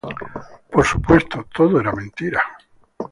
Por supuesto, todo era mentira.